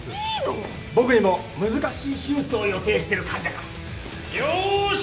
僕にも難しい手術を予定している患者が。よーし！